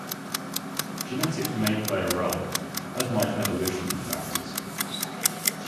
Genetics may also play a role, as might evolutionary factors.